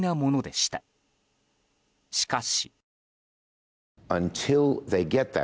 しかし。